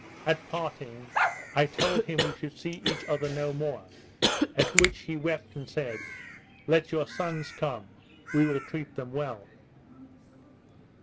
At parting I told him we should see each other no more; at which he wept, and said, "Let your sons come, we will treat them well."